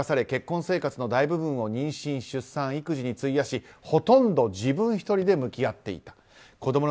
結婚生活の大部分を妊娠、出産、育児に費やしほとんど自分１人で向き合っていた。